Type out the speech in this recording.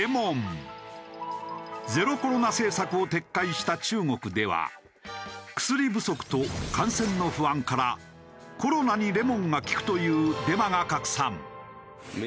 ゼロコロナ政策を撤回した中国では薬不足と感染の不安から「コロナにレモンが効く」というデマが拡散。